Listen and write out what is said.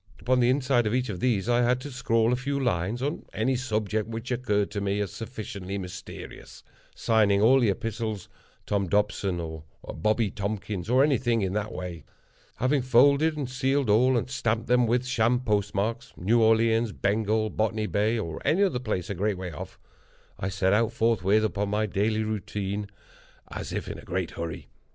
Upon the inside of each of these I had to scrawl a few lines on any subject which occurred to me as sufficiently mysterious—signing all the epistles Tom Dobson, or Bobby Tompkins, or anything in that way. Having folded and sealed all, and stamped them with sham postmarks—New Orleans, Bengal, Botany Bay, or any other place a great way off—I set out, forthwith, upon my daily route, as if in a very great hurry.